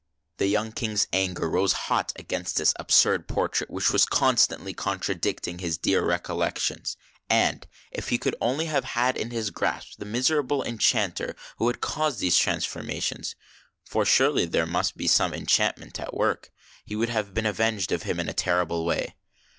The young King's anger rose hot against this absurd por trait which was constantly contradicting his dear recollections, and, if he could only have had in his grasp the miserable THE DEAR DEPARTED 125 enchanter who had caused these transformations, — for surely there must be some enchantment at work, — he would have been avenged of him in a terrible way.